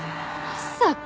まさか。